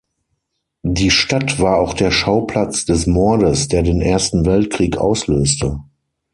Die Stadt war auch der Schauplatz des Mordes, der den Ersten Weltkrieg auslöste.